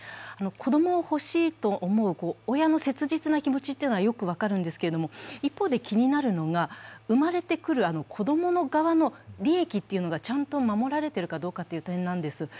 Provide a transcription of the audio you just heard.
子供を欲しいと思う親の切実な気持ちというのはよく分かるんですけれども、一方で気になるのが、生まれてくる子供側の利益がちゃんと守られてるかどうかという点なんです。